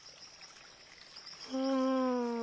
うん。